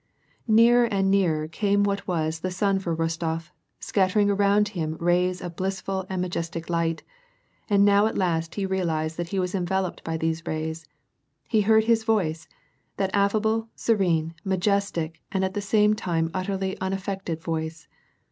Nearer and nearer came what was the sun for Rostof, scattering around him rays of blissful and majestic light, and now at last he realized that he was enveloped by these rays ; he heard his voice, that aifable, serene, majestic, and at the same time utterly unaffected voice.